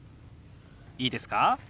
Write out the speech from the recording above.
いいですか？